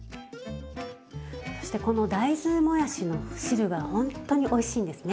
そしてこの大豆もやしの汁がほんとにおいしいんですね。